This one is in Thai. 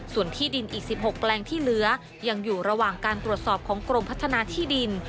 ส่วนที่ดินอีก๑๖แปลงที่เหลือยังอยู่ระหว่างการตรวจสอบของกรมพัฒนาที่ดิน